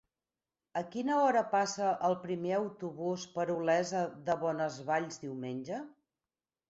A quina hora passa el primer autobús per Olesa de Bonesvalls diumenge?